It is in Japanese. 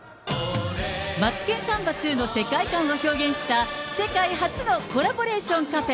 マツケンサンバＩＩの世界観を表現した世界初のコラボレーションカフェ。